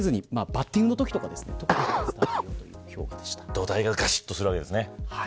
土台ががしっとするわけですね。